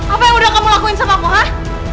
apa yang udah kamu lakuin sama aku hah